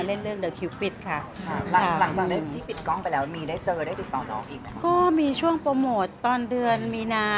เรียกก็มีช่วงโปรโมทตอนเดือนมีนนา